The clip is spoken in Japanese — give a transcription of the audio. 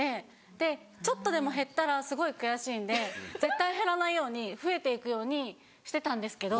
でちょっとでも減ったらすごい悔しいんで絶対減らないように増えていくようにしてたんですけど。